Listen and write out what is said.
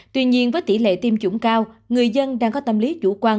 tuy nhiên với tỷ lệ tiêm chủng cao người dân đang có tâm lý chủ quan